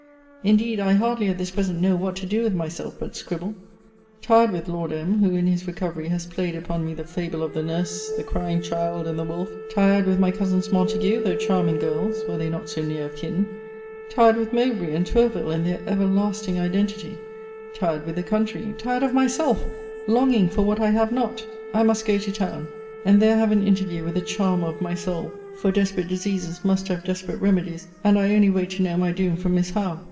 Indeed I hardly at this present know what to do with myself but scribble. Tired with Lord M. who, in his recovery, has played upon me the fable of the nurse, the crying child, and the wolf tired with my cousins Montague, though charming girls, were they not so near of kin tired with Mowbray and Tourville, and their everlasting identity tired with the country tired of myself longing for what I have not I must go to town; and there have an interview with the charmer of my soul: for desperate diseases must have desperate remedies; and I only wait to know my doom from Miss Howe!